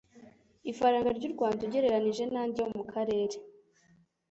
Ifaranga ry'u Rwanda ugereranyije n'andi yo mu karere